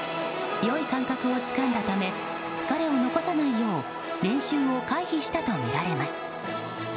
良い感覚をつかんだため疲れを残さないよう練習を回避したとみられます。